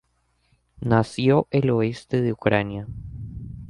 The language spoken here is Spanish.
Nació el oeste de Ucrania.